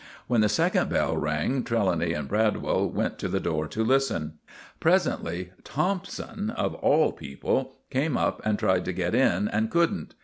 When the second bell rang Trelawny and Bradwell went to the door to listen. Presently Thompson, of all people, came up and tried to get in and couldn't.